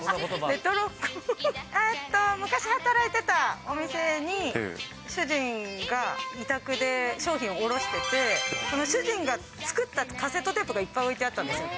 昔働いてたお店に、主人が委託で商品を卸してて、主人が作ったカセットテープがいっぱい置いてあったんですよ。